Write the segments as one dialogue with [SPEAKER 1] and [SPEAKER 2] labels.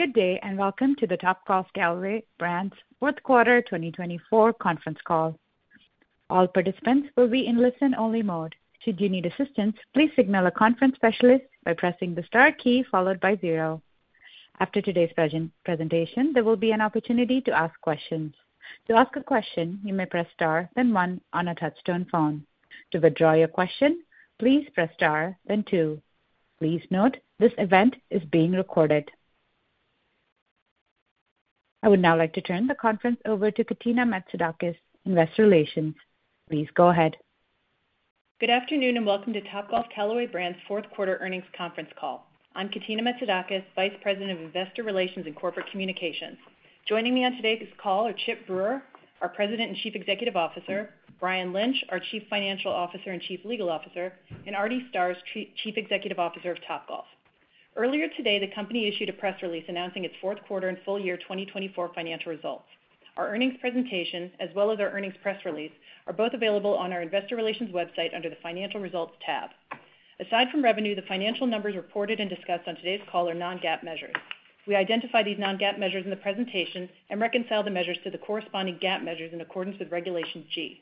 [SPEAKER 1] Good day and welcome to the Topgolf Callaway Brands Fourth Quarter 2024 conference call. All participants will be in listen-only mode. Should you need assistance, please signal a conference specialist by pressing the star key followed by zero. After today's presentation, there will be an opportunity to ask questions. To ask a question, you may press star, then one on a touch-tone phone. To withdraw your question, please press star, then two. Please note this event is being recorded. I would now like to turn the conference over to Katina Metzidakis of Investor Relations. Please go ahead.
[SPEAKER 2] Good afternoon and welcome to Topgolf Callaway Brands Fourth Quarter Earnings Conference Call. I'm Katina Metzidakis, Vice President of Investor Relations and Corporate Communications. Joining me on today's call are Chip Brewer, our President and Chief Executive Officer; Brian Lynch, our Chief Financial Officer and Chief Legal Officer; and Artie Starrs, Chief Executive Officer of Topgolf. Earlier today, the company issued a press release announcing its fourth quarter and full year 2024 financial results. Our earnings presentation, as well as our earnings press release, are both available on our Investor Relations website under the Financial Results tab. Aside from revenue, the financial numbers reported and discussed on today's call are non-GAAP measures. We identify these non-GAAP measures in the presentation and reconcile the measures to the corresponding GAAP measures in accordance with Regulation G.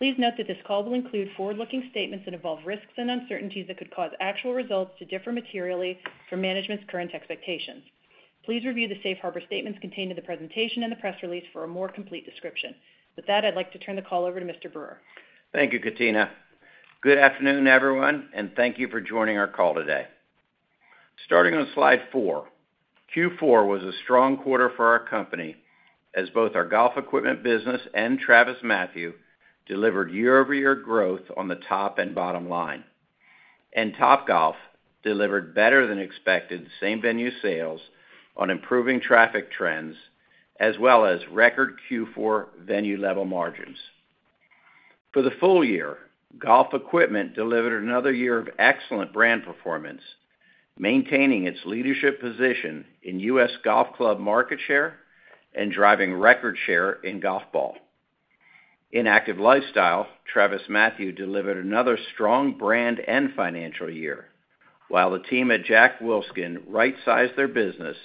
[SPEAKER 2] Please note that this call will include forward-looking statements that involve risks and uncertainties that could cause actual results to differ materially from management's current expectations. Please review the safe harbor statements contained in the presentation and the press release for a more complete description. With that, I'd like to turn the call over to Mr. Brewer.
[SPEAKER 3] Thank you, Katina. Good afternoon, everyone, and thank you for joining our call today. Starting on slide four, Q4 was a strong quarter for our company as both our golf equipment business and TravisMathew delivered year-over-year growth on the top and bottom line. And Topgolf delivered better-than-expected same-venue sales on improving traffic trends as well as record Q4 venue-level margins. For the full year, golf equipment delivered another year of excellent brand performance, maintaining its leadership position in U.S. golf club market share and driving record share in golf ball. In active lifestyle, TravisMathew delivered another strong brand and financial year, while the team at Jack Wolfskin right-sized their business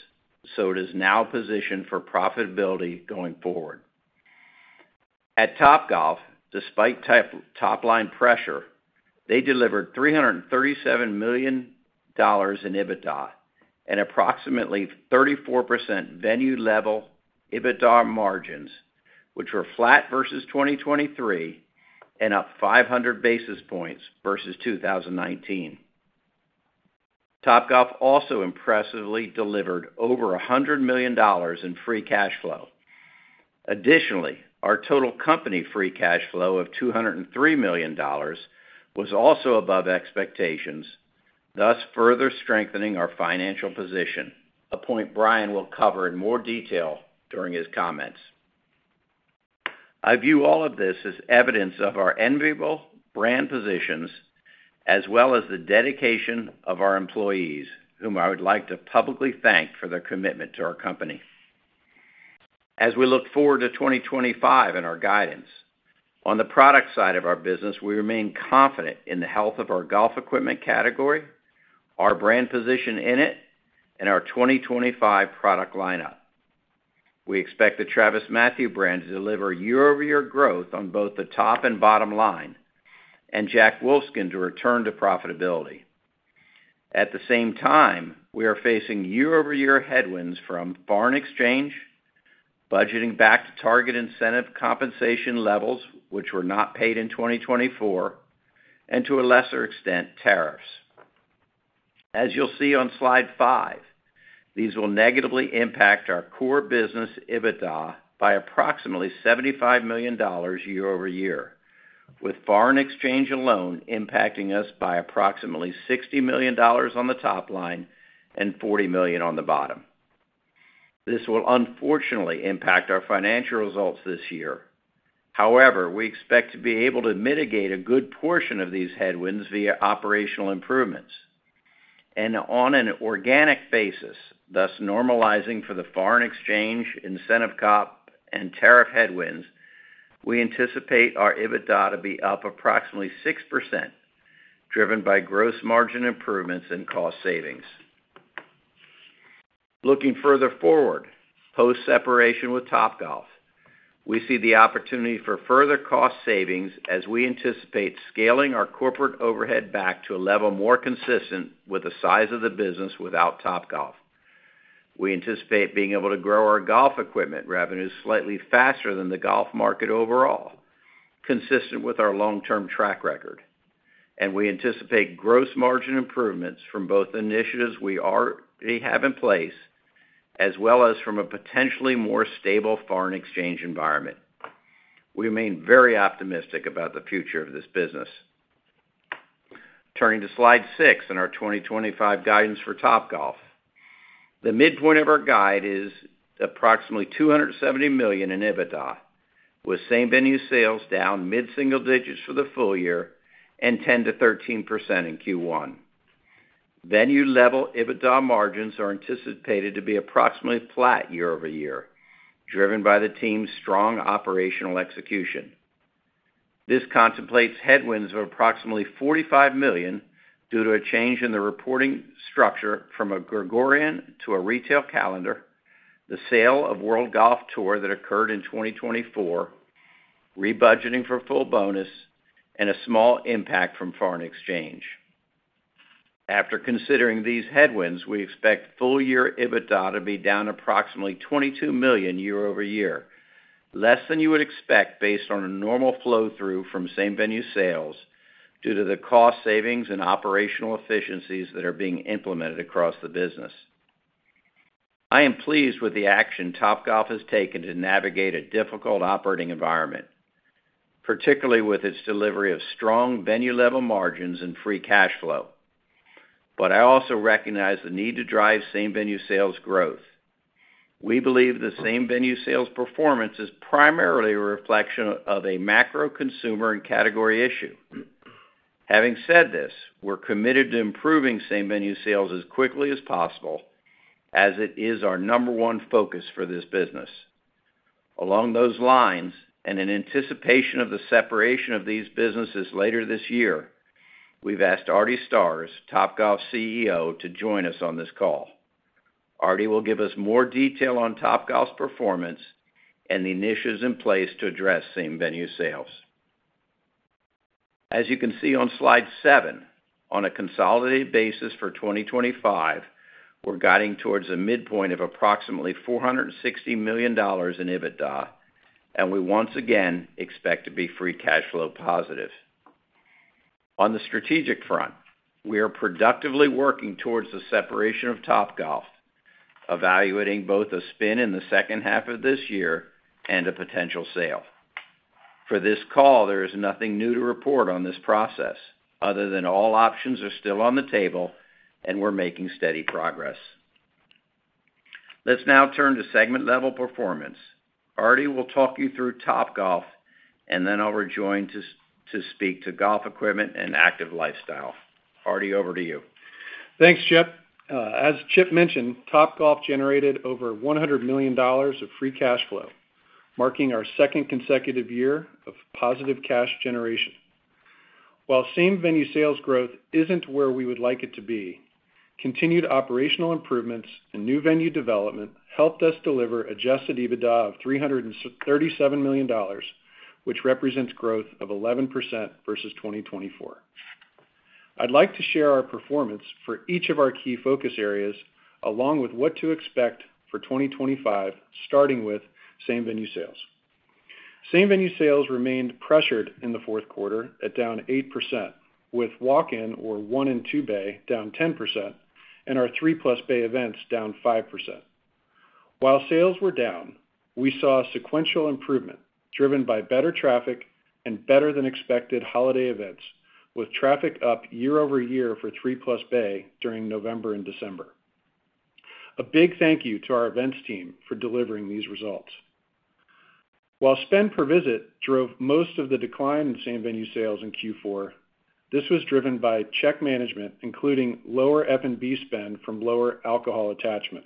[SPEAKER 3] so it is now positioned for profitability going forward. At Topgolf, despite top-line pressure, they delivered $337 million in EBITDA and approximately 34% venue-level EBITDA margins, which were flat versus 2023 and up 500 basis points versus 2019. Topgolf also impressively delivered over $100 million in free cash flow. Additionally, our total company free cash flow of $203 million was also above expectations, thus further strengthening our financial position, a point Brian will cover in more detail during his comments. I view all of this as evidence of our enviable brand positions as well as the dedication of our employees, whom I would like to publicly thank for their commitment to our company. As we look forward to 2025 and our guidance, on the product side of our business, we remain confident in the health of our golf equipment category, our brand position in it, and our 2025 product lineup. We expect the TravisMathew brand to deliver year-over-year growth on both the top and bottom line, and Jack Wolfskin to return to profitability. At the same time, we are facing year-over-year headwinds from foreign exchange, budgeting back-to-target incentive compensation levels, which were not paid in 2024, and to a lesser extent, tariffs. As you'll see on slide five, these will negatively impact our core business EBITDA by approximately $75 million year-over-year, with foreign exchange alone impacting us by approximately $60 million on the top line and $40 million on the bottom. This will unfortunately impact our financial results this year. However, we expect to be able to mitigate a good portion of these headwinds via operational improvements, and on an organic basis, thus normalizing for the foreign exchange, incentive comp, and tariff headwinds, we anticipate our EBITDA to be up approximately 6%, driven by gross margin improvements and cost savings. Looking further forward, post-separation with Topgolf, we see the opportunity for further cost savings as we anticipate scaling our corporate overhead back to a level more consistent with the size of the business without Topgolf. We anticipate being able to grow our golf equipment revenues slightly faster than the golf market overall, consistent with our long-term track record, and we anticipate gross margin improvements from both initiatives we already have in place as well as from a potentially more stable foreign exchange environment. We remain very optimistic about the future of this business. Turning to slide six in our 2025 guidance for Topgolf, the midpoint of our guide is approximately $270 million in EBITDA, with same-venue sales down mid-single digits for the full year and 10%-13% in Q1. Venue-level EBITDA margins are anticipated to be approximately flat year-over-year, driven by the team's strong operational execution. This contemplates headwinds of approximately $45 million due to a change in the reporting structure from a Gregorian to a retail calendar, the sale of World Golf Tour that occurred in 2024, rebudgeting for full bonus, and a small impact from foreign exchange. After considering these headwinds, we expect full-year EBITDA to be down approximately $22 million year-over-year, less than you would expect based on a normal flow-through from same-venue sales due to the cost savings and operational efficiencies that are being implemented across the business. I am pleased with the action Topgolf has taken to navigate a difficult operating environment, particularly with its delivery of strong venue-level margins and free cash flow. But I also recognize the need to drive same-venue sales growth. We believe the same-venue sales performance is primarily a reflection of a macro consumer and category issue. Having said this, we're committed to improving same-venue sales as quickly as possible, as it is our number one focus for this business. Along those lines, and in anticipation of the separation of these businesses later this year, we've asked Artie Starrs, Topgolf CEO, to join us on this call. Artie will give us more detail on Topgolf's performance and the initiatives in place to address same-venue sales. As you can see on slide seven, on a consolidated basis for 2025, we're guiding towards a midpoint of approximately $460 million in EBITDA, and we once again expect to be free cash flow positive. On the strategic front, we are productively working towards the separation of Topgolf, evaluating both a spin in the second half of this year and a potential sale. For this call, there is nothing new to report on this process other than all options are still on the table and we're making steady progress. Let's now turn to segment-level performance. Artie will talk you through Topgolf, and then I'll rejoin to speak to golf equipment and active lifestyle. Artie, over to you.
[SPEAKER 4] Thanks, Chip. As Chip mentioned, Topgolf generated over $100 million of free cash flow, marking our second consecutive year of positive cash generation. While same-venue sales growth isn't where we would like it to be, continued operational improvements and new venue development helped us deliver Adjusted EBITDA of $337 million, which represents growth of 11% versus 2024. I'd like to share our performance for each of our key focus areas along with what to expect for 2025, starting with same-venue sales. Same-venue sales remained pressured in the fourth quarter at down 8%, with walk-in or one- or two-bay down 10%, and our three-plus bay events down 5%. While sales were down, we saw a sequential improvement driven by better traffic and better-than-expected holiday events, with traffic up year-over-year for three-plus bay during November and December. A big thank you to our events team for delivering these results. While spend per visit drove most of the decline in same-venue sales in Q4, this was driven by check management, including lower F&B spend from lower alcohol attachment.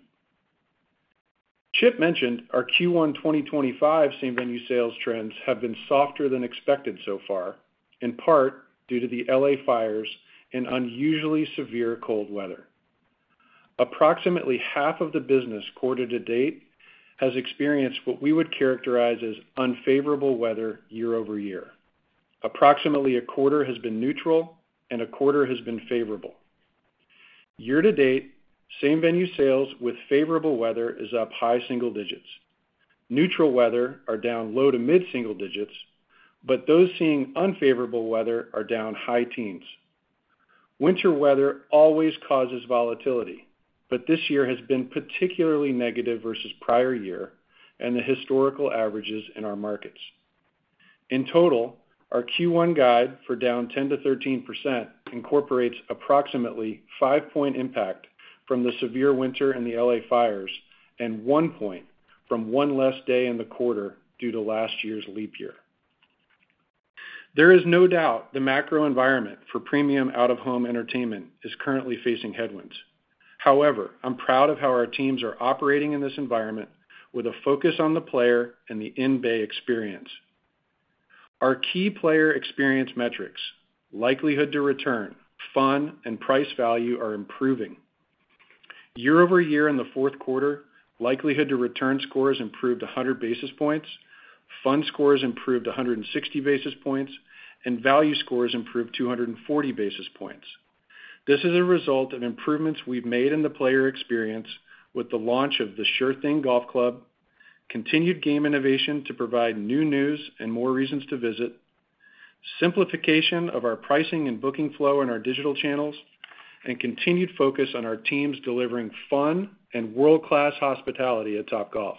[SPEAKER 4] Chip mentioned our Q1 2025 same-venue sales trends have been softer than expected so far, in part due to the LA fires and unusually severe cold weather. Approximately half of the business quarter to date has experienced what we would characterize as unfavorable weather year-over-year. Approximately a quarter has been neutral, and a quarter has been favorable. Year-to-date, same-venue sales with favorable weather is up high single digits. Neutral weather are down low to mid-single digits, but those seeing unfavorable weather are down high teens. Winter weather always causes volatility, but this year has been particularly negative versus prior year and the historical averages in our markets. In total, our Q1 guide for down 10%-13% incorporates approximately five-point impact from the severe winter and the LA fires and one point from one less day in the quarter due to last year's leap year. There is no doubt the macro environment for premium out-of-home entertainment is currently facing headwinds. However, I'm proud of how our teams are operating in this environment with a focus on the player and the in-bay experience. Our key player experience metrics, likelihood to return, fun, and price value are improving. Year-over-year in the fourth quarter, likelihood to return scores improved 100 basis points, fun scores improved 160 basis points, and value scores improved 240 basis points. This is a result of improvements we've made in the player experience with the launch of the Sure Thing Golf Club, continued game innovation to provide new news and more reasons to visit, simplification of our pricing and booking flow in our digital channels, and continued focus on our teams delivering fun and world-class hospitality at Topgolf.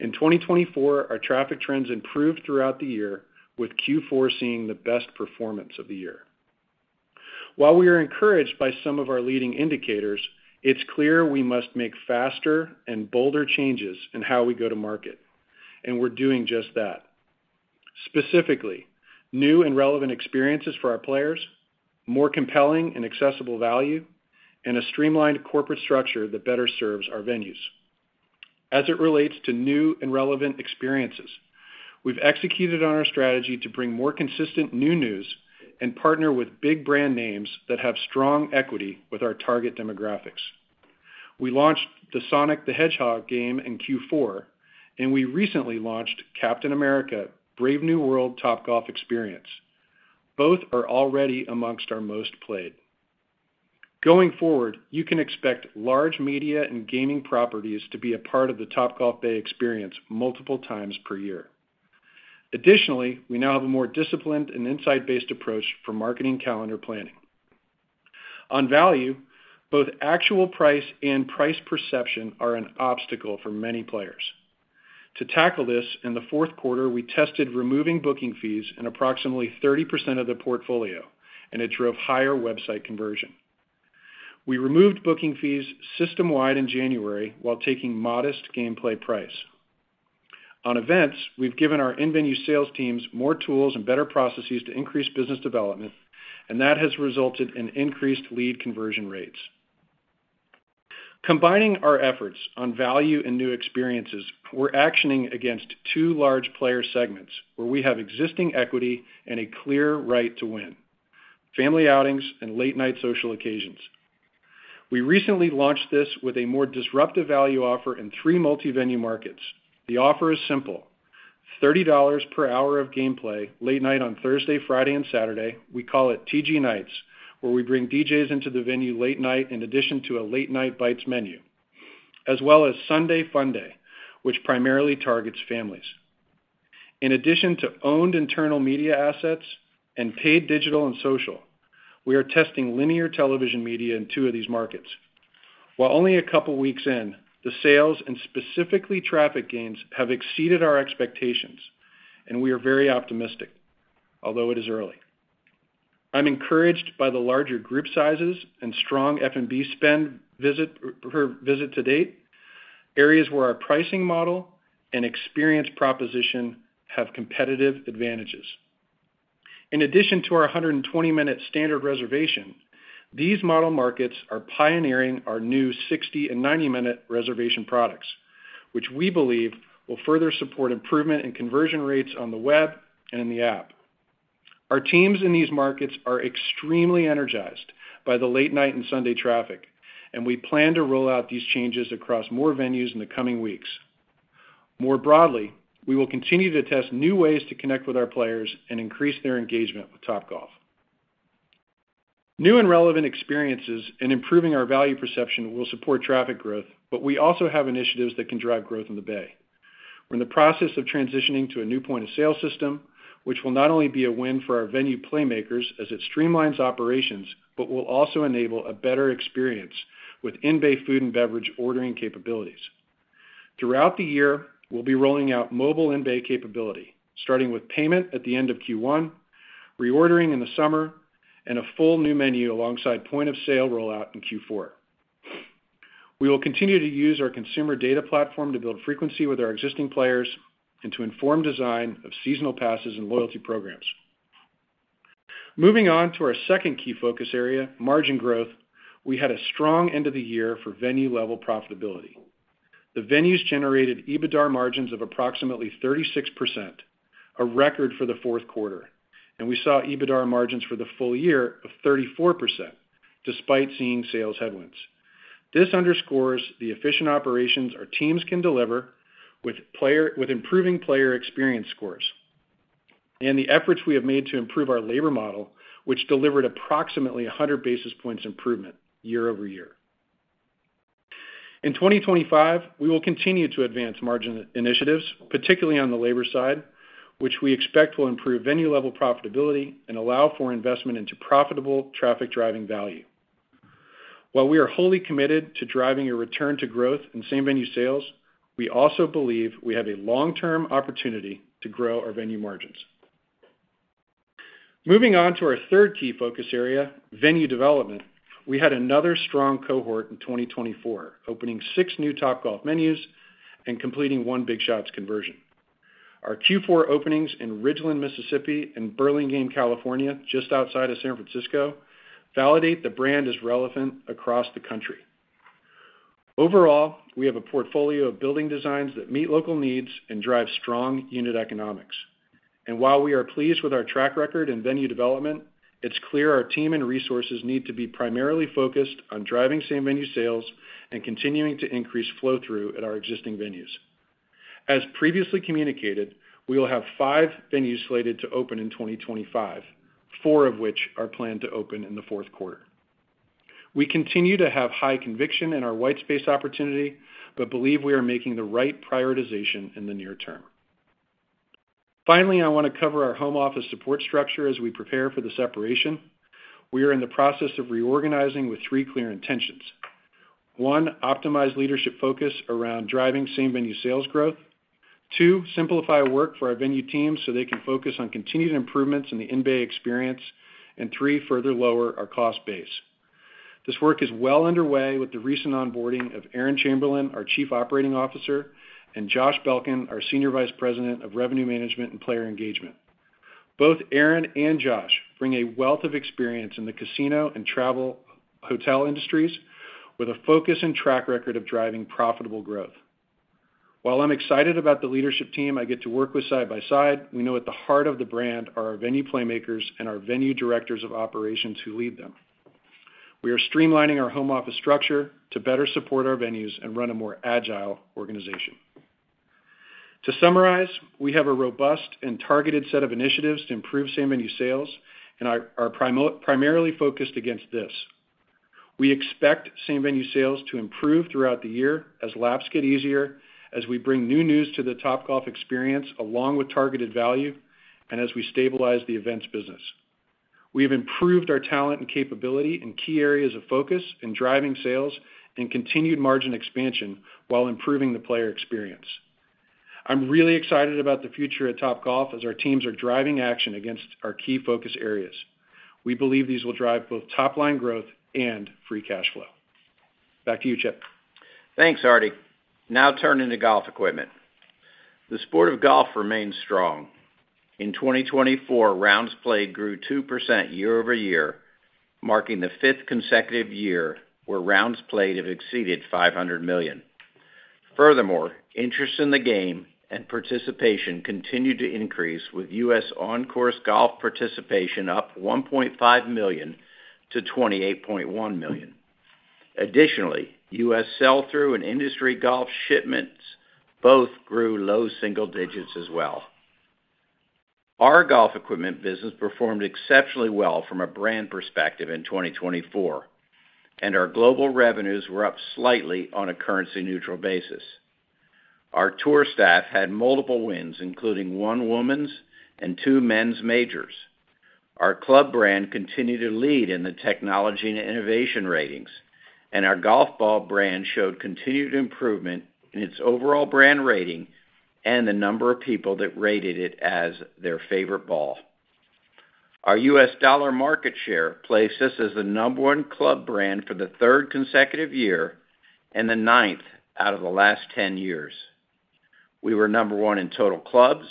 [SPEAKER 4] In 2024, our traffic trends improved throughout the year, with Q4 seeing the best performance of the year. While we are encouraged by some of our leading indicators, it's clear we must make faster and bolder changes in how we go to market, and we're doing just that. Specifically, new and relevant experiences for our players, more compelling and accessible value, and a streamlined corporate structure that better serves our venues. As it relates to new and relevant experiences, we've executed on our strategy to bring more consistent new news and partner with big brand names that have strong equity with our target demographics. We launched the Sonic the Hedgehog game in Q4, and we recently launched Captain America: Brave New World Topgolf Experience. Both are already amongst our most played. Going forward, you can expect large media and gaming properties to be a part of the Topgolf Bay experience multiple times per year. Additionally, we now have a more disciplined and insight-based approach for marketing calendar planning. On value, both actual price and price perception are an obstacle for many players. To tackle this in the fourth quarter, we tested removing booking fees in approximately 30% of the portfolio, and it drove higher website conversion. We removed booking fees system-wide in January while taking modest gameplay price. On events, we've given our in-venue sales teams more tools and better processes to increase business development, and that has resulted in increased lead conversion rates. Combining our efforts on value and new experiences, we're actioning against two large player segments where we have existing equity and a clear right to win: family outings and late-night social occasions. We recently launched this with a more disruptive value offer in three multi-venue markets. The offer is simple: $30 per hour of gameplay late night on Thursday, Friday, and Saturday. We call it TG Nights, where we bring DJs into the venue late night in addition to a late-night Bites menu, as well as Sunday Funday, which primarily targets families. In addition to owned internal media assets and paid digital and social, we are testing linear television media in two of these markets. While only a couple of weeks in, the sales and specifically traffic gains have exceeded our expectations, and we are very optimistic, although it is early. I'm encouraged by the larger group sizes and strong F&B spend per visit to date, areas where our pricing model and experience proposition have competitive advantages. In addition to our 120-minute standard reservation, these model markets are pioneering our new 60 and 90-minute reservation products, which we believe will further support improvement in conversion rates on the web and in the app. Our teams in these markets are extremely energized by the late-night and Sunday traffic, and we plan to roll out these changes across more venues in the coming weeks. More broadly, we will continue to test new ways to connect with our players and increase their engagement with Topgolf. New and relevant experiences and improving our value perception will support traffic growth, but we also have initiatives that can drive growth in the bay. We're in the process of transitioning to a new point of sale system, which will not only be a win for our venue playmakers as it streamlines operations, but will also enable a better experience with in-bay food and beverage ordering capabilities. Throughout the year, we'll be rolling out mobile in-bay capability, starting with payment at the end of Q1, reordering in the summer, and a full new menu alongside point of sale rollout in Q4. We will continue to use our consumer data platform to build frequency with our existing players and to inform design of seasonal passes and loyalty programs. Moving on to our second key focus area, margin growth, we had a strong end of the year for venue-level profitability. The venues generated EBITDA margins of approximately 36%, a record for the fourth quarter, and we saw EBITDA margins for the full year of 34% despite seeing sales headwinds. This underscores the efficient operations our teams can deliver with improving player experience scores and the efforts we have made to improve our labor model, which delivered approximately 100 basis points improvement year-over-year. In 2025, we will continue to advance margin initiatives, particularly on the labor side, which we expect will improve venue-level profitability and allow for investment into profitable traffic-driving value. While we are wholly committed to driving a return to growth in same-venue sales, we also believe we have a long-term opportunity to grow our venue margins. Moving on to our third key focus area, venue development, we had another strong cohort in 2024, opening six new Topgolf venues and completing one BigShots conversion. Our Q4 openings in Ridgeland, Mississippi, and Burlingame, California, just outside of San Francisco, validate the brand as relevant across the country. Overall, we have a portfolio of building designs that meet local needs and drive strong unit economics. And while we are pleased with our track record in venue development, it's clear our team and resources need to be primarily focused on driving same-venue sales and continuing to increase flow-through at our existing venues. As previously communicated, we will have five venues slated to open in 2025, four of which are planned to open in the fourth quarter. We continue to have high conviction in our white space opportunity, but believe we are making the right prioritization in the near term. Finally, I want to cover our home office support structure as we prepare for the separation. We are in the process of reorganizing with three clear intentions. One, optimize leadership focus around driving same-venue sales growth. Two, simplify work for our venue teams so they can focus on continued improvements in the in-bay experience. And three, further lower our cost base. This work is well underway with the recent onboarding of Aaron Chamberlain, our Chief Operating Officer, and Josh Belkin, our Senior Vice President of Revenue Management and Player Engagement. Both Aaron and Josh bring a wealth of experience in the casino and travel hotel industries with a focus and track record of driving profitable growth. While I'm excited about the leadership team I get to work with side by side, we know at the heart of the brand are our venue playmakers and our venue directors of operations who lead them. We are streamlining our home office structure to better support our venues and run a more agile organization. To summarize, we have a robust and targeted set of initiatives to improve same-venue sales, and are primarily focused against this. We expect same-venue sales to improve throughout the year as laps get easier, as we bring new news to the Topgolf experience along with targeted value, and as we stabilize the events business. We have improved our talent and capability in key areas of focus in driving sales and continued margin expansion while improving the player experience. I'm really excited about the future at Topgolf as our teams are driving action against our key focus areas. We believe these will drive both top-line growth and free cash flow. Back to you, Chip.
[SPEAKER 3] Thanks, Artie. Now turning to golf equipment. The sport of golf remains strong. In 2024, rounds played grew 2% year-over-year, marking the fifth consecutive year where rounds played have exceeded 500 million. Furthermore, interest in the game and participation continued to increase with U.S. on-course golf participation up 1.5 million-28.1 million. Additionally, U.S. sell-through and industry golf shipments both grew low single digits as well. Our golf equipment business performed exceptionally well from a brand perspective in 2024, and our global revenues were up slightly on a currency-neutral basis. Our tour staff had multiple wins, including one women's and two men's majors. Our club brand continued to lead in the technology and innovation ratings, and our golf ball brand showed continued improvement in its overall brand rating and the number of people that rated it as their favorite ball. Our U.S. dollar market share placed us as the number one club brand for the third consecutive year and the ninth out of the last 10 years. We were number one in total clubs,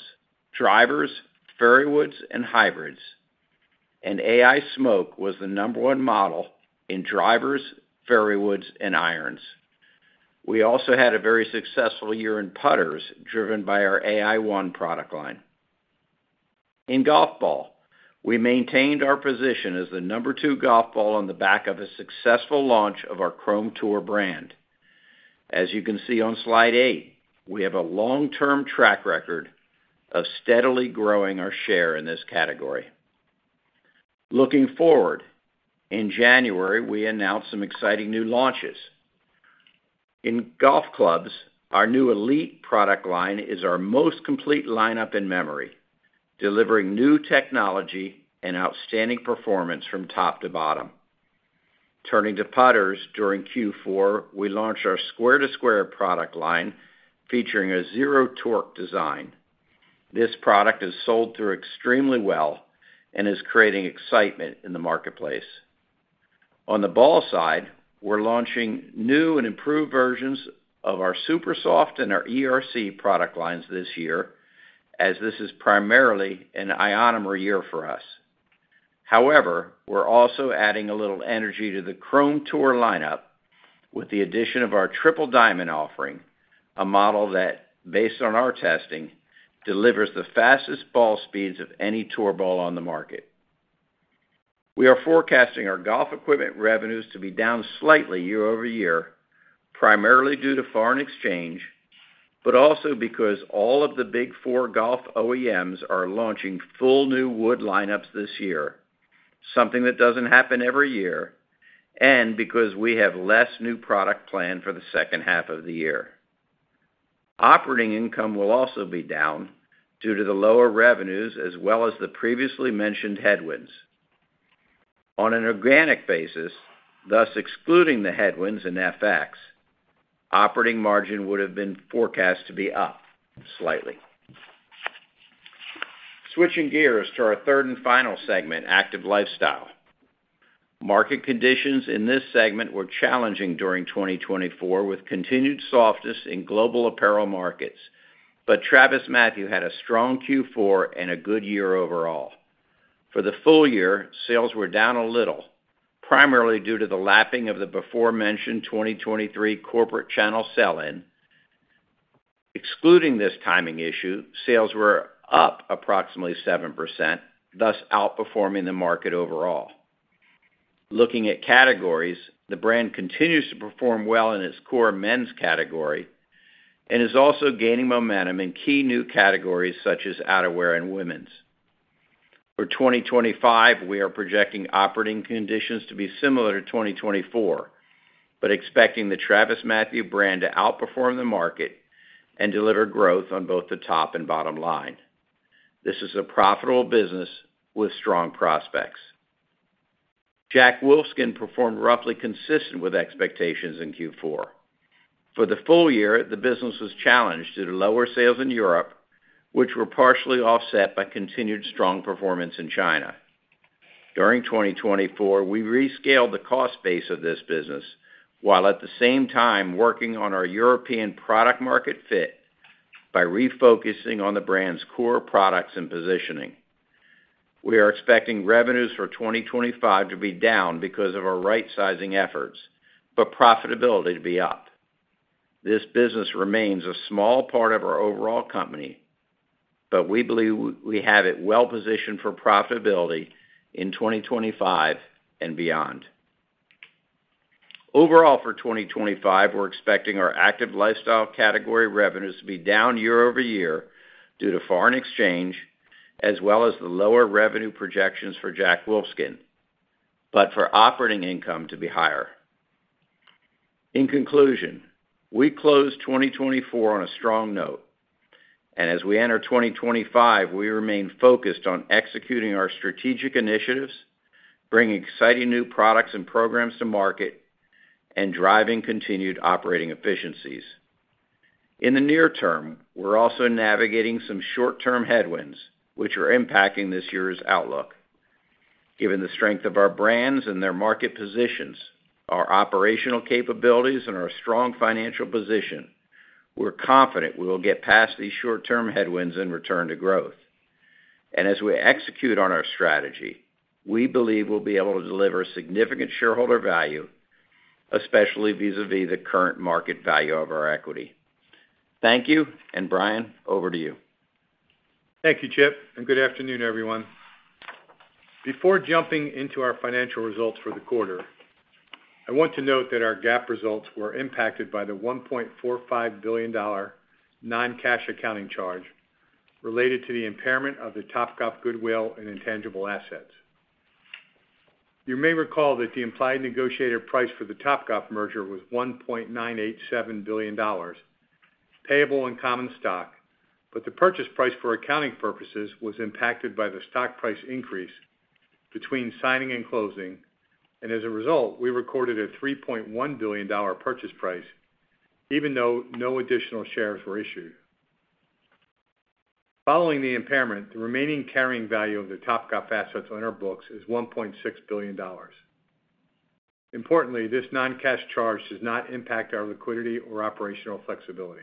[SPEAKER 3] drivers, fairway woods, and hybrids. Ai Smoke was the number one model in drivers, fairway woods, and irons. We also had a very successful year in putters driven by our Ai-ONE product line. In golf ball, we maintained our position as the number two golf ball on the back of a successful launch of our Chrome Tour brand. As you can see on slide eight, we have a long-term track record of steadily growing our share in this category. Looking forward, in January, we announced some exciting new launches. In golf clubs, our new elite product line is our most complete lineup in memory, delivering new technology and outstanding performance from top to bottom. Turning to putters, during Q4, we launched our Square 2 Square product line featuring a zero torque design. This product has sold through extremely well and is creating excitement in the marketplace. On the ball side, we're launching new and improved versions of our Supersoft and our ERC product lines this year, as this is primarily an ionomer year for us. However, we're also adding a little energy to the Chrome Tour lineup with the addition of our Triple Diamond offering, a model that, based on our testing, delivers the fastest ball speeds of any tour ball on the market. We are forecasting our golf equipment revenues to be down slightly year-over-year, primarily due to foreign exchange, but also because all of the big four golf OEMs are launching full new wood lineups this year, something that doesn't happen every year, and because we have less new product planned for the second half of the year. Operating income will also be down due to the lower revenues as well as the previously mentioned headwinds. On an organic basis, thus excluding the headwinds and FX, operating margin would have been forecast to be up slightly. Switching gears to our third and final segment, active lifestyle. Market conditions in this segment were challenging during 2024 with continued softness in global apparel markets, but TravisMathew had a strong Q4 and a good year overall. For the full year, sales were down a little, primarily due to the lapping of the before-mentioned 2023 corporate channel sell-in. Excluding this timing issue, sales were up approximately 7%, thus outperforming the market overall. Looking at categories, the brand continues to perform well in its core men's category and is also gaining momentum in key new categories such as outerwear and women's. For 2025, we are projecting operating conditions to be similar to 2024, but expecting the TravisMathew brand to outperform the market and deliver growth on both the top and bottom line. This is a profitable business with strong prospects. Jack Wolfskin performed roughly consistent with expectations in Q4. For the full year, the business was challenged due to lower sales in Europe, which were partially offset by continued strong performance in China. During 2024, we rescaled the cost base of this business while at the same time working on our European product market fit by refocusing on the brand's core products and positioning. We are expecting revenues for 2025 to be down because of our right-sizing efforts, but profitability to be up. This business remains a small part of our overall company, but we believe we have it well positioned for profitability in 2025 and beyond. Overall, for 2025, we're expecting our active lifestyle category revenues to be down year-over-year due to foreign exchange, as well as the lower revenue projections for Jack Wolfskin, but for operating income to be higher. In conclusion, we closed 2024 on a strong note, and as we enter 2025, we remain focused on executing our strategic initiatives, bringing exciting new products and programs to market, and driving continued operating efficiencies. In the near term, we're also navigating some short-term headwinds, which are impacting this year's outlook. Given the strength of our brands and their market positions, our operational capabilities, and our strong financial position, we're confident we will get past these short-term headwinds and return to growth. And as we execute on our strategy, we believe we'll be able to deliver significant shareholder value, especially vis-à-vis the current market value of our equity. Thank you, and Brian, over to you.
[SPEAKER 5] Thank you, Chip, and good afternoon, everyone. Before jumping into our financial results for the quarter, I want to note that our GAAP results were impacted by the $1.45 billion non-cash accounting charge related to the impairment of the Topgolf Goodwill and Intangible Assets. You may recall that the implied negotiated price for the Topgolf merger was $1.987 billion, payable in common stock, but the purchase price for accounting purposes was impacted by the stock price increase between signing and closing, and as a result, we recorded a $3.1 billion purchase price, even though no additional shares were issued. Following the impairment, the remaining carrying value of the Topgolf assets on our books is $1.6 billion. Importantly, this non-cash charge does not impact our liquidity or operational flexibility.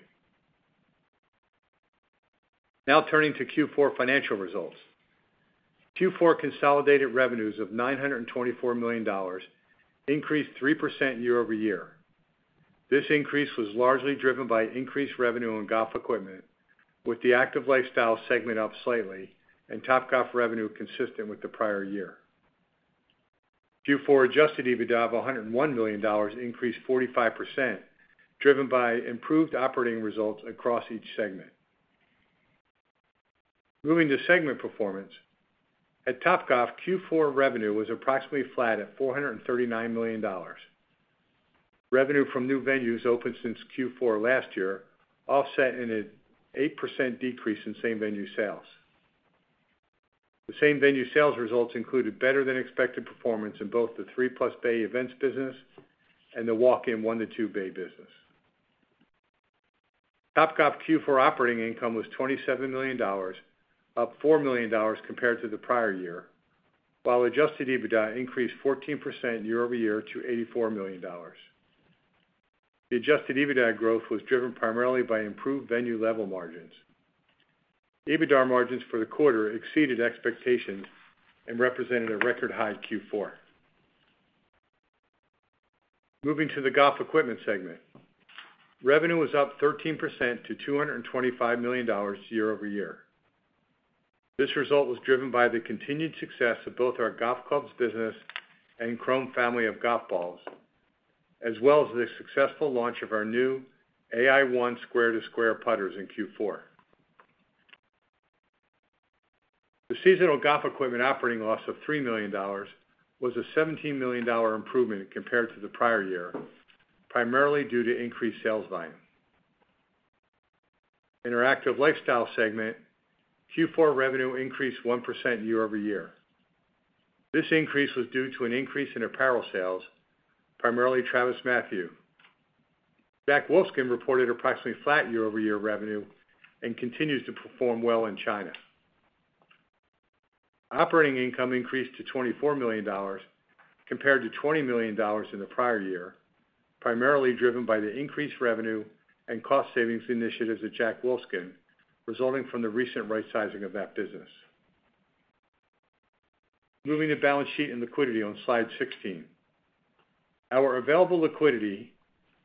[SPEAKER 5] Now turning to Q4 financial results. Q4 consolidated revenues of $924 million increased 3% year-over-year. This increase was largely driven by increased revenue on golf equipment, with the active lifestyle segment up slightly and Topgolf revenue consistent with the prior year. Q4 adjusted EBITDA of $101 million increased 45%, driven by improved operating results across each segment. Moving to segment performance, at Topgolf, Q4 revenue was approximately flat at $439 million. Revenue from new venues opened since Q4 last year offset in an 8% decrease in same-venue sales. The same-venue sales results included better-than-expected performance in both the three-plus bay events business and the walk-in one-to-two bay business. Topgolf Q4 operating income was $27 million, up $4 million compared to the prior year, while adjusted EBITDA increased 14% year-over-year to $84 million. The adjusted EBITDA growth was driven primarily by improved venue-level margins. EBITDA margins for the quarter exceeded expectations and represented a record high in Q4. Moving to the golf equipment segment, revenue was up 13% to $225 million year-over-year. This result was driven by the continued success of both our golf clubs business and Chrome family of golf balls, as well as the successful launch of our new Ai-ONE Square 2 Square putters in Q4. The seasonal golf equipment operating loss of $3 million was a $17 million improvement compared to the prior year, primarily due to increased sales volume. In our active lifestyle segment, Q4 revenue increased 1% year-over-year. This increase was due to an increase in apparel sales, primarily TravisMathew. Jack Wolfskin reported approximately flat year-over-year revenue and continues to perform well in China. Operating income increased to $24 million compared to $20 million in the prior year, primarily driven by the increased revenue and cost savings initiatives at Jack Wolfskin, resulting from the recent right-sizing of that business. Moving to balance sheet and liquidity on slide 16. Our available liquidity,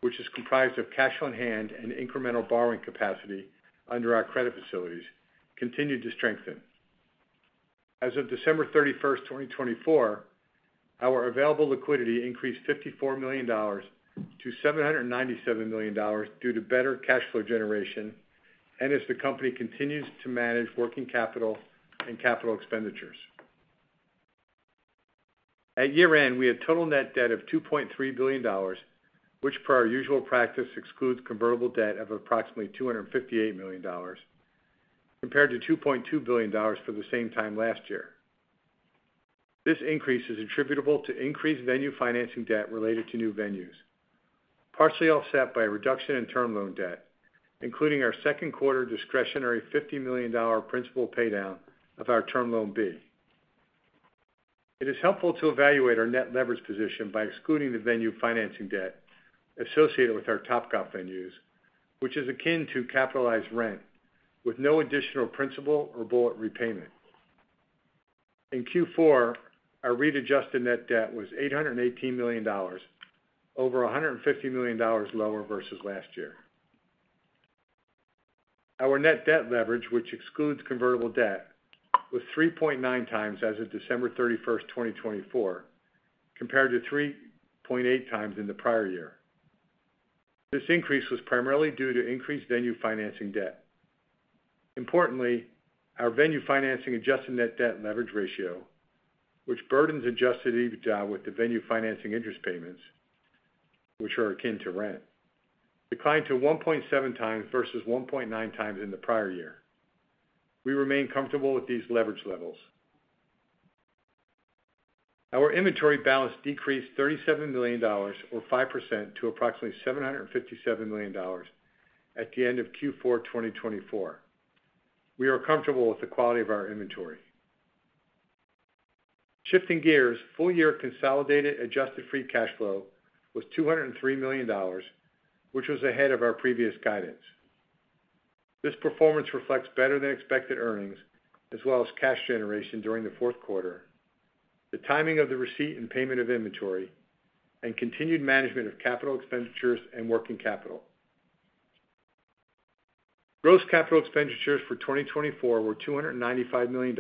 [SPEAKER 5] which is comprised of cash on hand and incremental borrowing capacity under our credit facilities, continued to strengthen. As of December 31st, 2024, our available liquidity increased $54 million-$797 million due to better cash flow generation and as the company continues to manage working capital and capital expenditures. At year-end, we had total net debt of $2.3 billion, which, per our usual practice, excludes convertible debt of approximately $258 million, compared to $2.2 billion for the same time last year. This increase is attributable to increased venue financing debt related to new venues, partially offset by a reduction in term loan debt, including our second quarter discretionary $50 million principal paydown of our term loan B. It is helpful to evaluate our net leverage position by excluding the venue financing debt associated with our Topgolf venues, which is akin to capitalized rent with no additional principal or bullet repayment. In Q4, our adjusted net debt was $818 million, over $150 million lower versus last year. Our net debt leverage, which excludes convertible debt, was 3.9x as of December 31st, 2024, compared to 3.8x in the prior year. This increase was primarily due to increased venue financing debt. Importantly, our venue financing adjusted net debt leverage ratio, which burdens adjusted EBITDA with the venue financing interest payments, which are akin to rent, declined to 1.7x versus 1.9x in the prior year. We remain comfortable with these leverage levels. Our inventory balance decreased $37 million, or 5%, to approximately $757 million at the end of Q4, 2024. We are comfortable with the quality of our inventory. Shifting gears, full year consolidated adjusted free cash flow was $203 million, which was ahead of our previous guidance. This performance reflects better-than-expected earnings, as well as cash generation during the fourth quarter, the timing of the receipt and payment of inventory, and continued management of capital expenditures and working capital. Gross capital expenditures for 2024 were $295 million,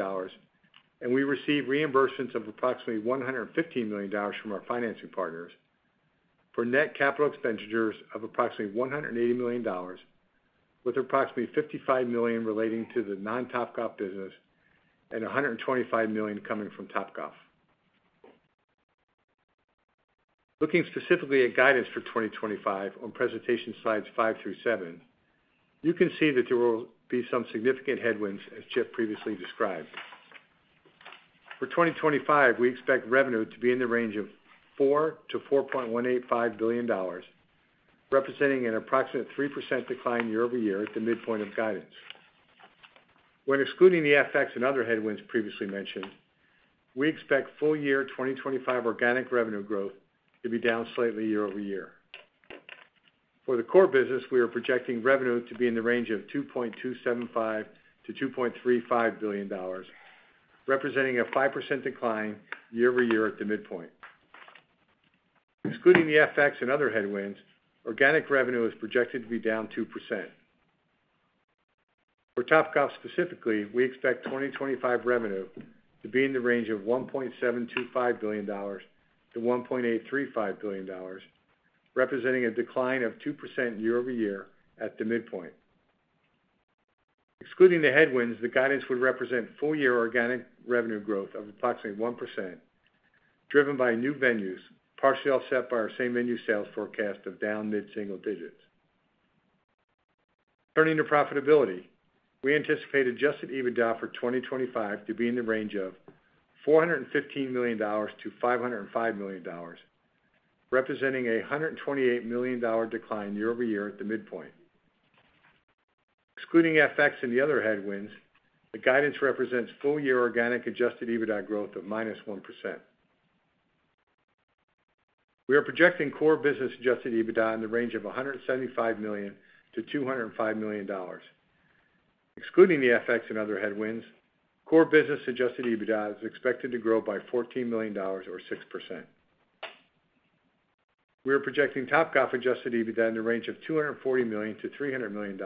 [SPEAKER 5] and we received reimbursements of approximately $115 million from our financing partners for net capital expenditures of approximately $180 million, with approximately $55 million relating to the non-Topgolf business and $125 million coming from Topgolf. Looking specifically at guidance for 2025 on presentation slides five through seven, you can see that there will be some significant headwinds, as Chip previously described. For 2025, we expect revenue to be in the range of $4-$4.185 billion, representing an approximate 3% decline year-over-year at the midpoint of guidance. When excluding the FX and other headwinds previously mentioned, we expect full year 2025 organic revenue growth to be down slightly year-over-year. For the core business, we are projecting revenue to be in the range of $2.275-$2.35 billion, representing a 5% decline year-over-year at the midpoint. Excluding the FX and other headwinds, organic revenue is projected to be down 2%. For Topgolf specifically, we expect 2025 revenue to be in the range of $1.725-$1.835 billion, representing a decline of 2% year-over-year at the midpoint. Excluding the headwinds, the guidance would represent full year organic revenue growth of approximately 1%, driven by new venues, partially offset by our same-venue sales forecast of down mid-single digits. Turning to profitability, we anticipate adjusted EBITDA for 2025 to be in the range of $415 million-$505 million, representing a $128 million decline year-over-year at the midpoint. Excluding FX and the other headwinds, the guidance represents full year organic adjusted EBITDA growth of minus 1%. We are projecting core business adjusted EBITDA in the range of $175 million-$205 million. Excluding the FX and other headwinds, core business adjusted EBITDA is expected to grow by $14 million, or 6%. We are projecting Topgolf adjusted EBITDA in the range of $240 million-$300 million.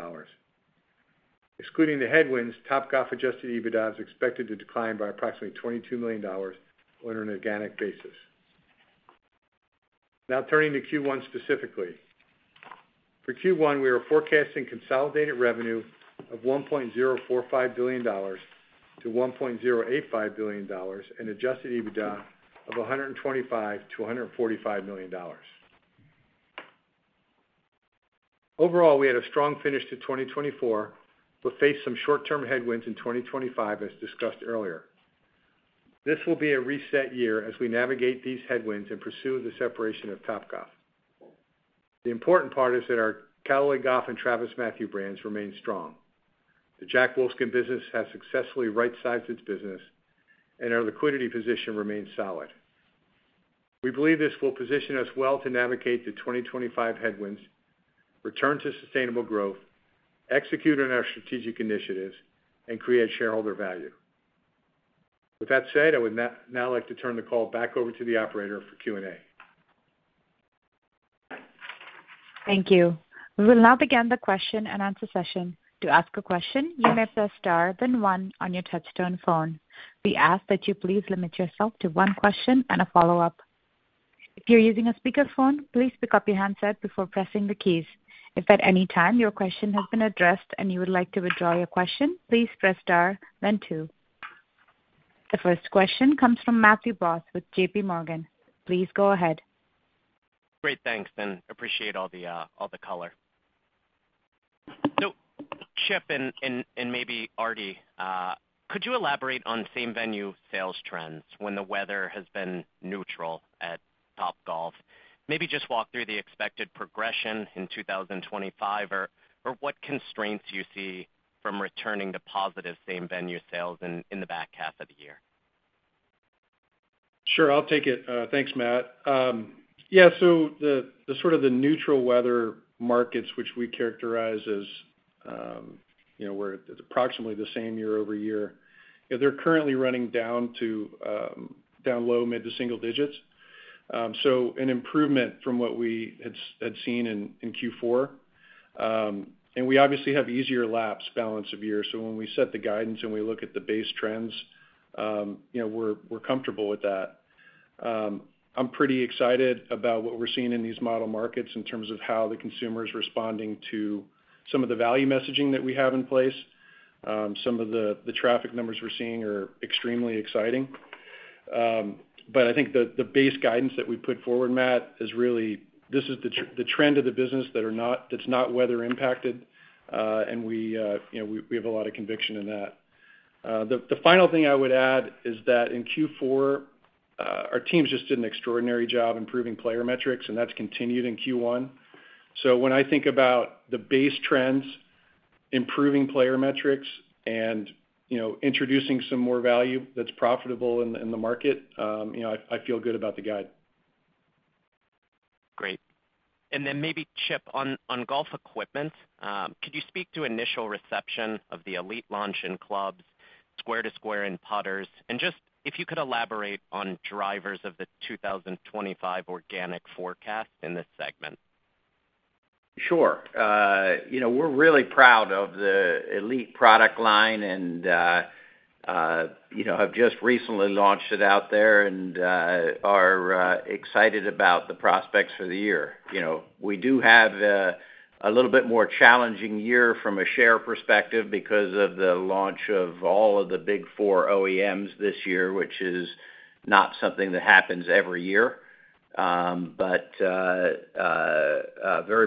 [SPEAKER 5] Excluding the headwinds, Topgolf adjusted EBITDA is expected to decline by approximately $22 million on an organic basis. Now turning to Q1 specifically. For Q1, we are forecasting consolidated revenue of $1.045 billion-$1.085 billion and adjusted EBITDA of $125 million-$145 million. Overall, we had a strong finish to 2024, but face some short-term headwinds in 2025, as discussed earlier. This will be a reset year as we navigate these headwinds and pursue the separation of Topgolf. The important part is that our Callaway Golf and TravisMathew brands remain strong. The Jack Wolfskin business has successfully right-sized its business, and our liquidity position remains solid. We believe this will position us well to navigate the 2025 headwinds, return to sustainable growth, execute on our strategic initiatives, and create shareholder value. With that said, I would now like to turn the call back over to the operator for Q&A.
[SPEAKER 1] Thank you. We will now begin the question and answer session. To ask a question, you may press star then one on your touch-tone phone. We ask that you please limit yourself to one question and a follow-up. If you're using a speakerphone, please pick up your handset before pressing the keys. If at any time your question has been addressed and you would like to withdraw your question, please press star then two. The first question comes from Matthew Boss with JPMorgan. Please go ahead.
[SPEAKER 6] Great. Thanks, and appreciate all the color. So, Chip and maybe Artie, could you elaborate on same-venue sales trends when the weather has been neutral at Topgolf? Maybe just walk through the expected progression in 2025 or what constraints you see from returning to positive same-venue sales in the back half of the year.
[SPEAKER 4] Sure. I'll take it. Thanks, Matthew. Yeah. So the sort of the neutral weather markets, which we characterize as where it's approximately the same year-over-year, they're currently running down to low mid-to-single digits. So an improvement from what we had seen in Q4. And we obviously have easier comps balance of year. So when we set the guidance and we look at the base trends, we're comfortable with that. I'm pretty excited about what we're seeing in these model markets in terms of how the consumer is responding to some of the value messaging that we have in place. Some of the traffic numbers we're seeing are extremely exciting. But I think the base guidance that we put forward, Matthew, is really this is the trend of the business that's not weather-impacted, and we have a lot of conviction in that. The final thing I would add is that in Q4, our teams just did an extraordinary job improving player metrics, and that's continued in Q1. So when I think about the base trends, improving player metrics, and introducing some more value that's profitable in the market, I feel good about the guide.
[SPEAKER 6] Great. And then maybe, Chip, on golf equipment, could you speak to initial reception of the Ai Smoke launch and clubs, Square 2 Square and putters, and just if you could elaborate on drivers of the 2025 organic forecast in this segment?
[SPEAKER 3] Sure. We're really proud of the Ai Smoke product line and have just recently launched it out there and are excited about the prospects for the year. We do have a little bit more challenging year from a share perspective because of the launch of all of the big four OEMs this year, which is not something that happens every year. But very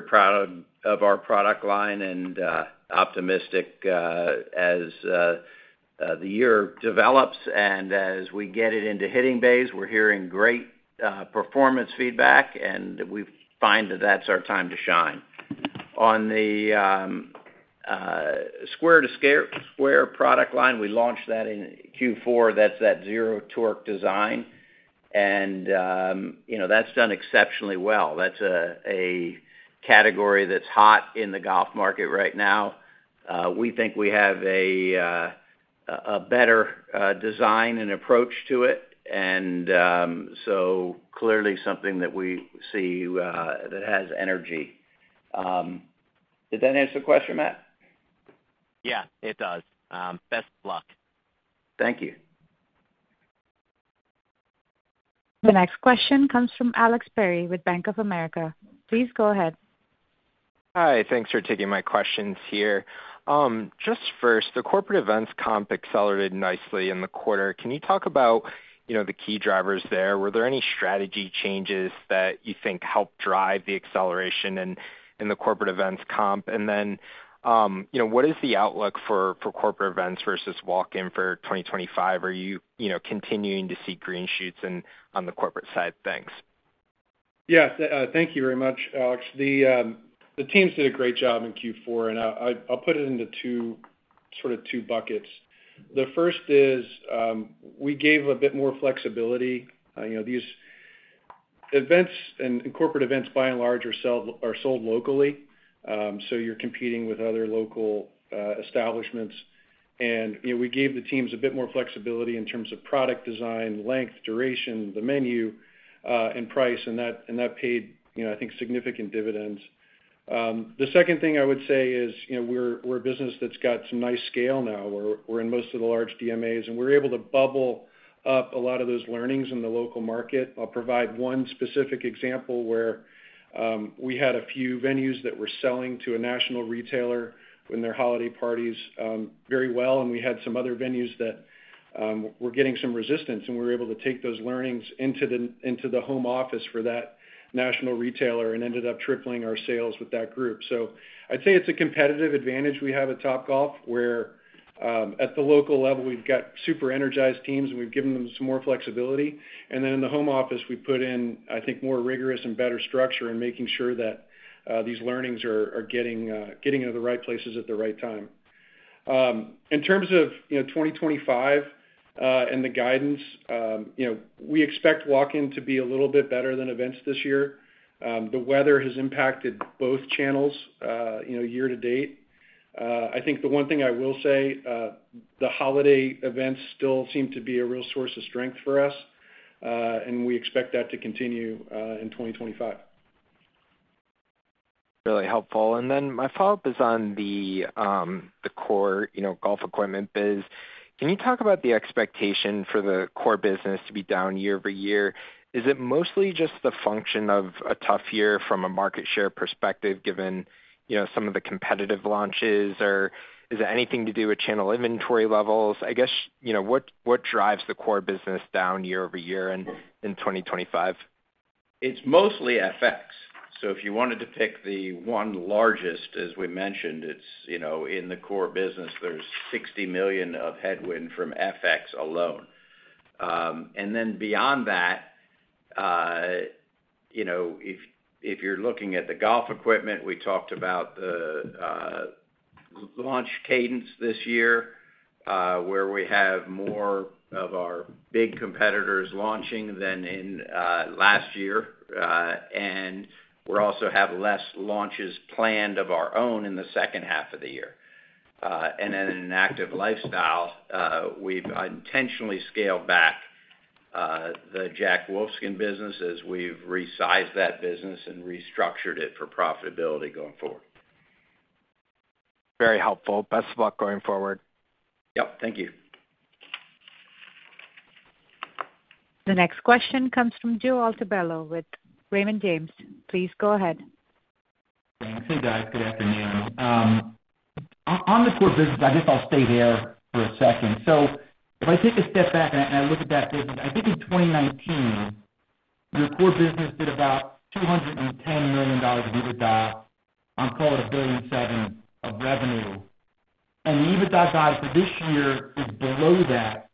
[SPEAKER 3] proud of our product line and optimistic as the year develops. And as we get it into hitting bays, we're hearing great performance feedback, and we find that that's our time to shine. On the Square 2 Square product line, we launched that in Q4. That's that zero-torque design, and that's done exceptionally well. That's a category that's hot in the golf market right now. We think we have a better design and approach to it, and so clearly something that we see that has energy. Did that answer the question, Matthew?
[SPEAKER 6] Yeah, it does. Best of luck.
[SPEAKER 3] Thank you.
[SPEAKER 1] The next question comes from Alex Perry with Bank of America. Please go ahead.
[SPEAKER 7] Hi. Thanks for taking my questions here. Just first, the corporate events comp accelerated nicely in the quarter. Can you talk about the key drivers there? Were there any strategy changes that you think helped drive the acceleration in the corporate events comp? And then what is the outlook for corporate events versus walk-in for 2025? Are you continuing to see green shoots on the corporate side? Thanks. Yeah.
[SPEAKER 4] Thank you very much, Alex. The teams did a great job in Q4, and I'll put it into sort of two buckets. The first is we gave a bit more flexibility. These events and corporate events, by and large, are sold locally, so you're competing with other local establishments. And we gave the teams a bit more flexibility in terms of product design, length, duration, the menu, and price, and that paid, I think, significant dividends. The second thing I would say is we're a business that's got some nice scale now. We're in most of the large DMAs, and we're able to bubble up a lot of those learnings in the local market. I'll provide one specific example where we had a few venues that were selling to a national retailer in their holiday parties very well, and we had some other venues that were getting some resistance, and we were able to take those learnings into the home office for that national retailer and ended up tripling our sales with that group, so I'd say it's a competitive advantage we have at Topgolf where at the local level, we've got super energized teams, and we've given them some more flexibility, and then in the home office, we put in, I think, more rigorous and better structure in making sure that these learnings are getting into the right places at the right time. In terms of 2025 and the guidance, we expect walk-in to be a little bit better than events this year. The weather has impacted both channels year-to-date. I think the one thing I will say, the holiday events still seem to be a real source of strength for us, and we expect that to continue in 2025.
[SPEAKER 7] Really helpful. And then my follow-up is on the core golf equipment biz. Can you talk about the expectation for the core business to be down year-over-year? Is it mostly just the function of a tough year from a market share perspective given some of the competitive launches, or is it anything to do with channel inventory levels? I guess what drives the core business down year-over-year in 2025?
[SPEAKER 5] It's mostly FX. So if you wanted to pick the one largest, as we mentioned, it's in the core business. There's $60 million of headwind from FX alone. And then beyond that, if you're looking at the golf equipment, we talked about the launch cadence this year where we have more of our big competitors launching than in last year, and we also have less launches planned of our own in the second half of the year. And then in active lifestyle, we've intentionally scaled back the Jack Wolfskin business as we've resized that business and restructured it for profitability going forward.
[SPEAKER 7] Very helpful. Best of luck going forward.
[SPEAKER 5] Yep. Thank you.
[SPEAKER 1] The next question comes from Joe Altobello with Raymond James. Please go ahead.
[SPEAKER 8] Thanks, guys. Good afternoon. On the core business, I guess I'll stay there for a second. So if I take a step back and I look at that business, I think in 2019, your core business did about $210 million of EBITDA. I'll call it $1.7 billion of revenue. And the EBITDA guide for this year is below that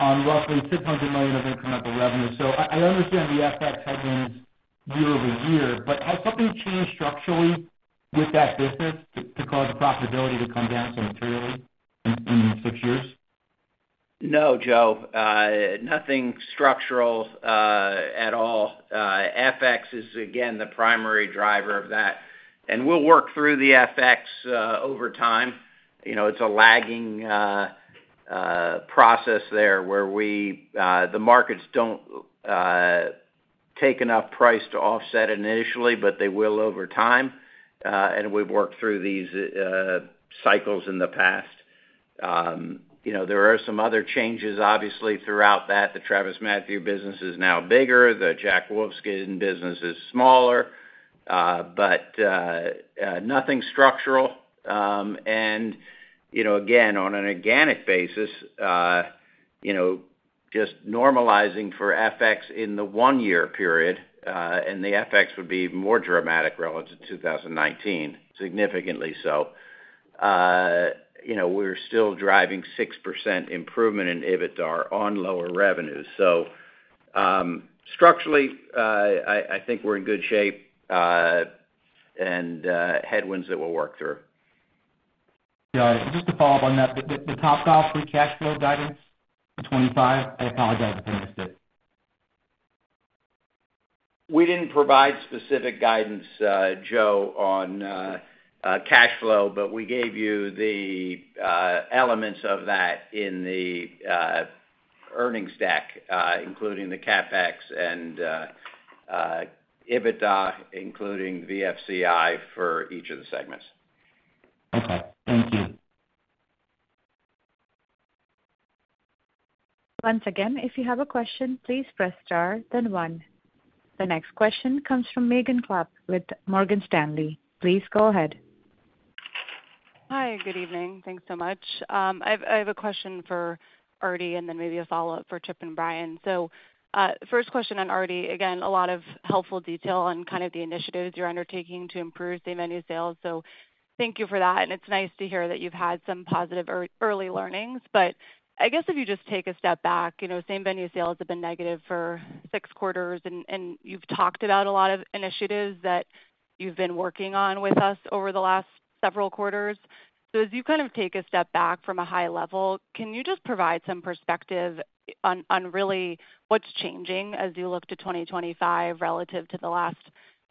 [SPEAKER 8] on roughly $600 million of incremental revenue. So I understand the FX headwinds year-over-year, but has something changed structurally with that business to cause the profitability to come down so materially in six years?
[SPEAKER 3] No, Joe. Nothing structural at all. FX is, again, the primary driver of that. And we'll work through the FX over time. It's a lagging process there where the markets don't take enough price to offset initially, but they will over time. And we've worked through these cycles in the past. There are some other changes, obviously, throughout that. The TravisMathew business is now bigger. The Jack Wolfskin business is smaller. But nothing structural. And again, on an organic basis, just normalizing for FX in the one-year period, and the FX would be more dramatic relative to 2019, significantly so. We're still driving 6% improvement in EBITDA on lower revenues, so structurally, I think we're in good shape and headwinds that we'll work through.
[SPEAKER 8] Got it. Just to follow up on that, the Topgolf free cash flow guidance in 2025, I apologize if I missed it.
[SPEAKER 5] We didn't provide specific guidance, Joe, on cash flow, but we gave you the elements of that in the earnings stack, including the CapEx and EBITDA, including VFCI for each of the segments.
[SPEAKER 8] Okay. Thank you.
[SPEAKER 1] Once again, if you have a question, please press star, then one. The next question comes from Megan Alexander with Morgan Stanley. Please go ahead.
[SPEAKER 9] Hi. Good evening. Thanks so much. I have a question for Artie and then maybe a follow-up for Chip and Brian. So first question on Artie, again, a lot of helpful detail on kind of the initiatives you're undertaking to improve same-venue sales. So thank you for that. And it's nice to hear that you've had some positive early learnings. But I guess if you just take a step back, same-venue sales have been negative for six quarters, and you've talked about a lot of initiatives that you've been working on with us over the last several quarters. So as you kind of take a step back from a high level, can you just provide some perspective on really what's changing as you look to 2025 relative to the last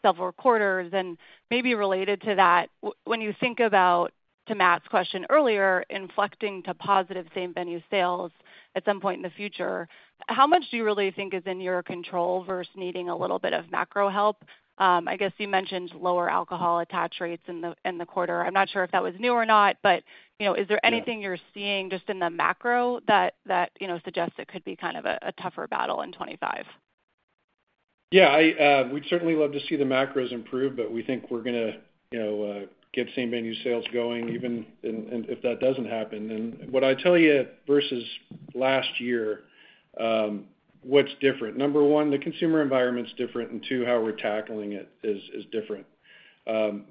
[SPEAKER 9] several quarters? And maybe related to that, when you think about, to Matt's question earlier, inflecting to positive same-venue sales at some point in the future, how much do you really think is in your control versus needing a little bit of macro help? I guess you mentioned lower alcohol attach rates in the quarter. I'm not sure if that was new or not, but is there anything you're seeing just in the macro that suggests it could be kind of a tougher battle in 2025?
[SPEAKER 4] Yeah. We'd certainly love to see the macros improve, but we think we're going to get same-venue sales going, even if that doesn't happen. And what I tell you versus last year, what's different? Number one, the consumer environment's different, and two, how we're tackling it is different.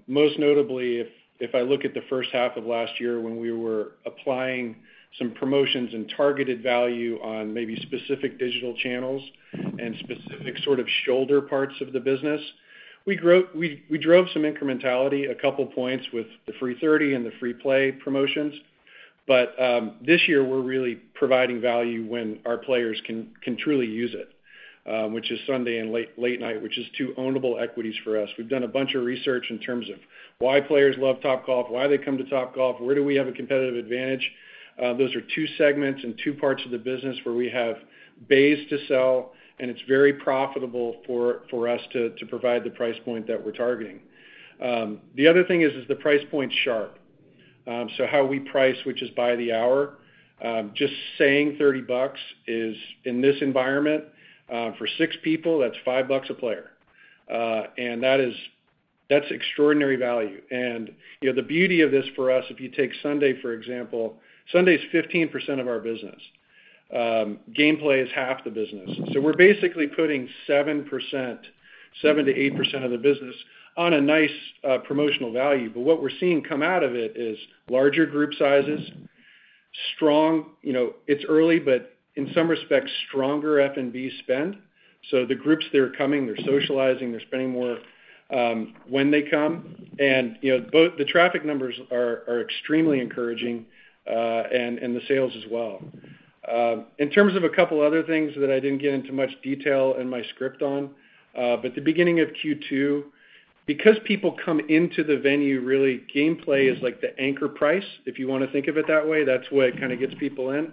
[SPEAKER 4] Most notably, if I look at the first half of last year when we were applying some promotions and targeted value on maybe specific digital channels and specific sort of shoulder parts of the business, we drove some incrementality, a couple points with the Free 30 and the free play promotions. But this year, we're really providing value when our players can truly use it, which is Sunday and late night, which is two ownable equities for us. We've done a bunch of research in terms of why players love Topgolf, why they come to Topgolf, where do we have a competitive advantage. Those are two segments and two parts of the business where we have bays to sell, and it's very profitable for us to provide the price point that we're targeting. The other thing is the price point sharp. So how we price, which is by the hour, just saying $30 is, in this environment, for six people, that's $5 a player. And that's extraordinary value. And the beauty of this for us, if you take Sunday, for example, Sunday's 15% of our business. Gameplay is half the business. So we're basically putting 7%-8% of the business on a nice promotional value. But what we're seeing come out of it is larger group sizes, strong. It's early, but in some respects, stronger F&B spend. So the groups, they're coming, they're socializing, they're spending more when they come. And the traffic numbers are extremely encouraging, and the sales as well. In terms of a couple other things that I didn't get into much detail in my script on, but the beginning of Q2, because people come into the venue, really, gameplay is like the anchor price, if you want to think of it that way. That's what kind of gets people in.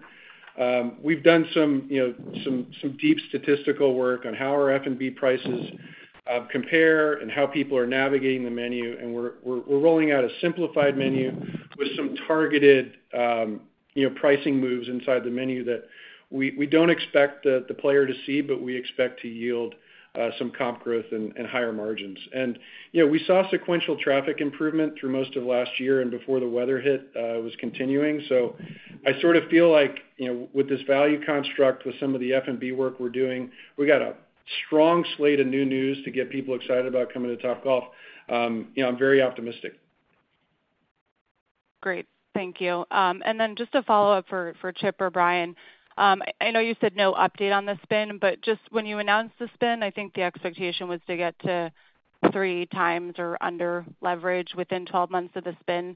[SPEAKER 4] We've done some deep statistical work on how our F&B prices compare and how people are navigating the menu. We're rolling out a simplified menu with some targeted pricing moves inside the menu that we don't expect the player to see, but we expect to yield some comp growth and higher margins. We saw sequential traffic improvement through most of last year, and before the weather hit, it was continuing. I sort of feel like with this value construct, with some of the F&B work we're doing, we got a strong slate of new news to get people excited about coming to Topgolf. I'm very optimistic.
[SPEAKER 9] Great. Thank you. To follow up for Chip or Brian, I know you said no update on the spin, but just when you announced the spin, I think the expectation was to get to three times or under leverage within 12 months of the spin.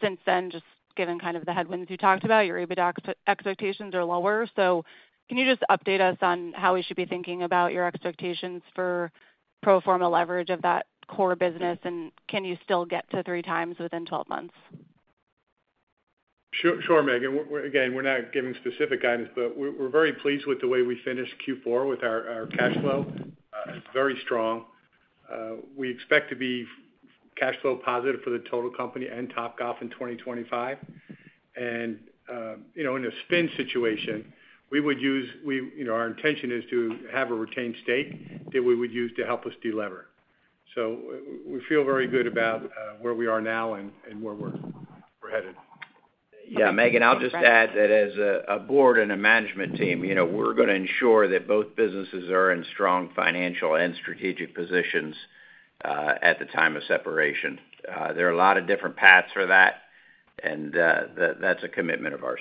[SPEAKER 9] Since then, just given kind of the headwinds you talked about, your EBITDA expectations are lower. So can you just update us on how we should be thinking about your expectations for pro forma leverage of that core business, and can you still get to three times within 12 months?
[SPEAKER 3] Sure, Megan. Again, we're not giving specific guidance, but we're very pleased with the way we finished Q4 with our cash flow. It's very strong. We expect to be cash flow positive for the total company and Topgolf in 2025. And in a spin situation, we would use, our intention is to have a retained stake that we would use to help us deliver. So we feel very good about where we are now and where we're headed.
[SPEAKER 5] Yeah, Megan, I'll just add that as a board and a management team, we're going to ensure that both businesses are in strong financial and strategic positions at the time of separation. There are a lot of different paths for that, and that's a commitment of ours.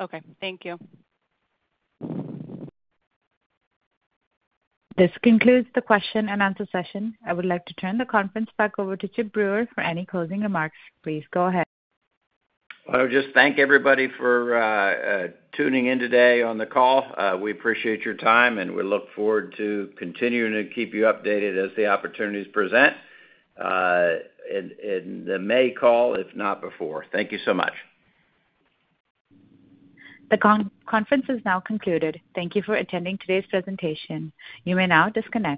[SPEAKER 9] Okay. Thank you.
[SPEAKER 1] This concludes the question and answer session. I would like to turn the conference back over to Chip Brewer for any closing remarks. Please go ahead.
[SPEAKER 3] I would just thank everybody for tuning in today on the call. We appreciate your time, and we look forward to continuing to keep you updated as the opportunities present in the May call, if not before. Thank you so much. The conference is now concluded. Thank you for attending today's presentation. You may now disconnect.